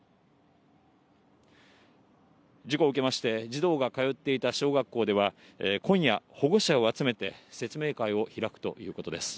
事故を受けまして、児童が通っていた小学校では、今夜、保護者を集めて説明会を開くということです。